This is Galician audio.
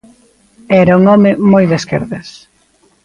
Era un home moi de esquerdas.